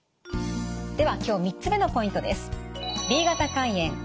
では今日３つ目のポイントです。